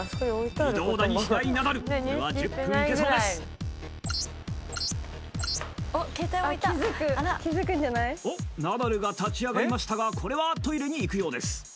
これは１０分いけそうですおっナダルが立ち上がりましたがこれはトイレに行くようです